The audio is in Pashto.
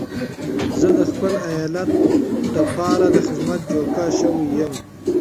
زه د خپل ايالت لپاره د خدمت جوګه شوی يم.